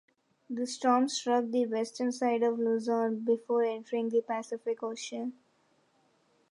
The storm struck the western side of Luzon, before entering the Pacific Ocean.